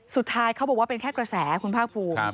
เขาบอกว่าเป็นแค่กระแสคุณภาคภูมิ